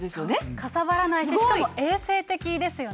かさばらないし、しかも衛生的ですよね。